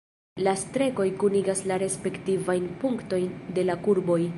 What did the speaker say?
La strekoj kunigas la respektivajn punktojn de la kurboj.